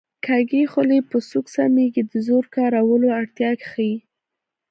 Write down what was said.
کږې خولې په سوک سمېږي د زور کارولو اړتیا ښيي